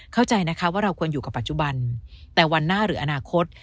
เข้าใจนะคะว่าเราควรอยู่กับปัจจุบันแต่วันหน้าหรืออนาคต